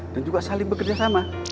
dan juga saling bekerja sama